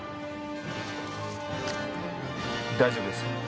大丈夫です。